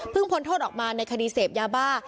พ้นโทษออกมาในคดีเสพยาบ้า